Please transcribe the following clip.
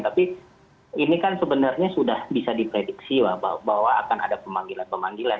tapi ini kan sebenarnya sudah bisa diprediksi bahwa akan ada pemanggilan pemanggilan